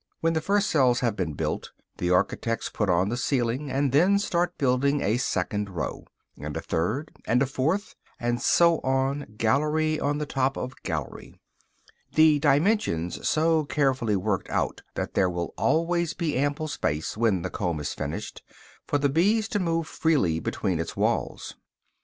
When the first cells have been built, the architects put on the ceiling, and then start building a second row, and a third and a fourth, and so on, gallery on the top of gallery, and the dimensions so carefully worked out that there will always be ample space, when the comb is finished, for the bees to move freely between its walls.